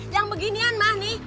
yang beginian mah nih